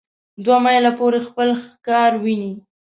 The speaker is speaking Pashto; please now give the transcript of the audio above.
دوه مایله پورې خپل ښکار ویني.